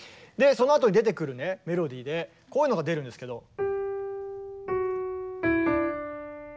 そのあとに出てくるねメロディーでこういうのが出るんですけど。